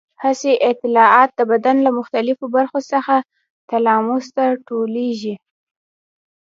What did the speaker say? حسي اطلاعات د بدن له مختلفو برخو څخه تلاموس ته ټولېږي.